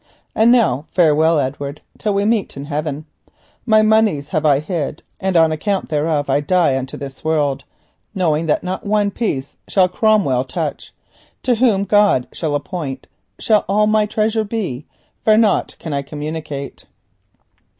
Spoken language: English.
And now farewell, Edward, till we shall meet in heaven. My moneys have I hid, and on account thereof I die unto this world, knowing that not one piece shall Cromwell touch. To whom God shall appoint shall all my treasure be, for nought can I communicate.